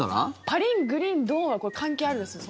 「パリングリンドーン」は関係あるんですか？